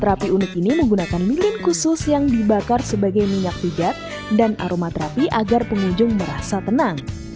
terapi unik ini menggunakan milin khusus yang dibakar sebagai minyak pijat dan aromaterapi agar pengunjung merasa tenang